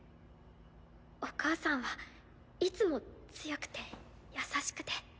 お母さんはいつも強くて優しくて。